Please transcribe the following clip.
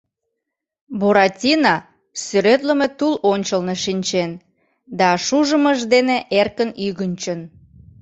Буратино сӱретлыме тул ончылно шинчен да шужымыж дене эркын ӱгынчын.